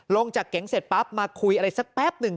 ลงจากเก๋งเสร็จปั๊บมาคุยอะไรสักแป๊บหนึ่ง